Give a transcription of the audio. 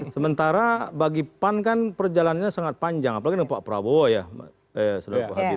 sementara bagi pan kan perjalanannya sangat panjang apalagi dengan pak prabowo ya sudah hadir